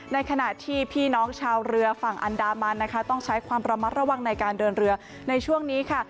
ในขณะที่พี่น้องชาวเรือฝั่งอันดามันนะคะต้องใช้ความระมัดระวังในการเดินเรือในช่วงนี้ค่ะ